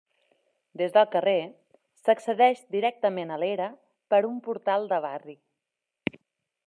Des del carrer s'accedeix directament a l'era per un portal de barri.